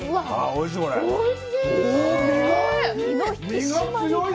おいしい！